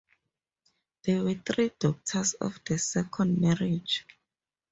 There were three daughters of the second marriage.